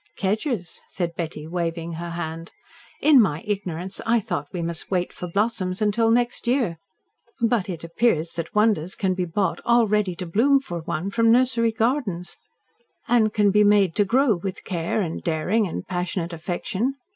"Kedgers!" said Betty, waving her hand. "In my ignorance I thought we must wait for blossoms until next year; but it appears that wonders can be brought all ready to bloom for one from nursery gardens, and can be made to grow with care and daring and passionate affection.